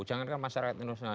jangankan masyarakat internasional